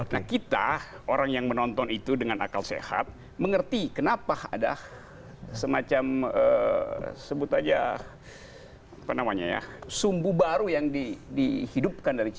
nah kita orang yang menonton itu dengan akal sehat mengerti kenapa ada semacam sebut aja apa namanya ya sumbu baru yang dihidupkan dari kita